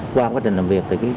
qua quá trình làm việc